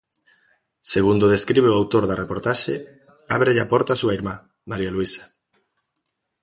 Segundo describe o autor da reportaxe, ábrelle a porta a súa irmá, María Luisa.